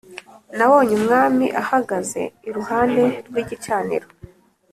Nabonye Umwami ahagaze iruhande rw’igicaniro